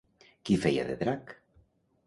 Qui feia de drac?